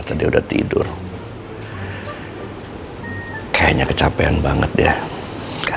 kamu udah pulang ya